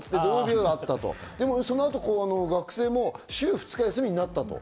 そのあと学生も週２日休みになったと。